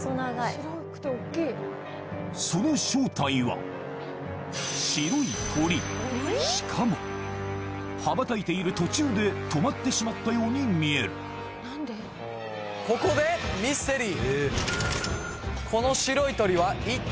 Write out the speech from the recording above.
その正体はしかも羽ばたいている途中で止まってしまったように見えるここでミステリー